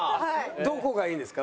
どこがいいんですか？